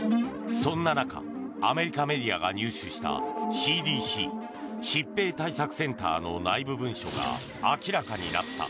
そんな中アメリカメディアが入手したＣＤＣ・疾病対策センターの内部文書が明らかになった。